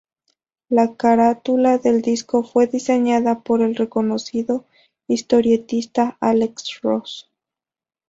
La carátula del disco fue diseñada por el reconocido historietista Alex Ross.